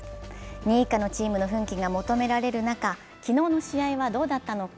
２位以下のチームの奮起が求められる中、昨日の試合はどうだったのか。